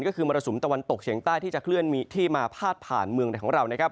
ก็คือมรสุมตะวันตกเฉียงใต้ที่จะเคลื่อนที่มาพาดผ่านเมืองไทยของเรานะครับ